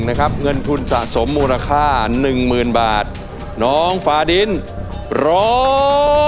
เย็นที่๑นะครับเงินทุนสะสมมูลค่า๑หมื่นบาทน้องฟาดินร้อง